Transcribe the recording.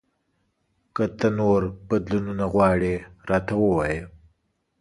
که ته نور بدلونونه غواړې، راته ووایه !